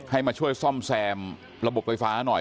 ให้มาช่วยซ่อมแซมระบบไฟฟ้าหน่อย